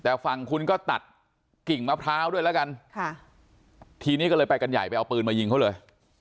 แต่ฝั่งคุณก็ตัดกิ่งมะพร้าวด้วยแล้วกันค่ะทีนี้ก็เลยไปกันใหญ่ไปเอาปืนมายิงเขาเลย